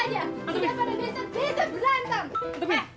kita pada besok besok berantem